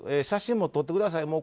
写真も撮ってください